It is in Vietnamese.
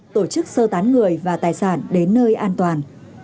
tán người và tài sản đến nơi an toàn